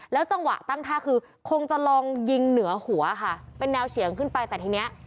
จังหวะตั้งท่าคือคงจะลองยิงเหนือหัวค่ะเป็นแนวเฉียงขึ้นไปแต่ทีเนี้ย